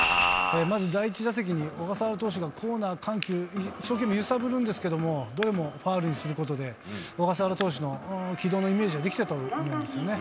まず第１打席に、小笠原投手のコーナー、緩急、一生懸命揺さぶるんですけれども、どれもファウルにすることで、小笠原投手の軌道のイメージができたと思うんですよね。